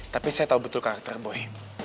tapi saya tahu betul karakter boy